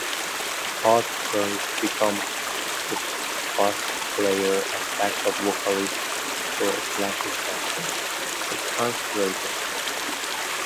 Todd Kerns became the bass player and backup vocalist for Slash's band, The Conspirators.